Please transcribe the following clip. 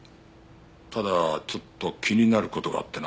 ただちょっと気になる事があってな。